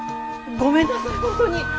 ごめんなさい本当に。